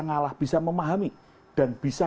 ngalah bisa memahami dan bisa